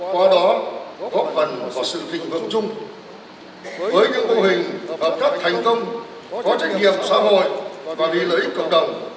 qua đó góp phần vào sự tình hưởng chung với những mô hình hợp tác thành công có trách nhiệm xã hội và vì lợi ích cộng đồng